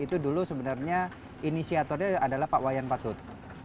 itu dulu sebenarnya inisiatornya adalah pak wayan patut